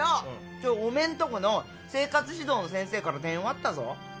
今日おめえんとこの生活指導の先生から電話あったぞ。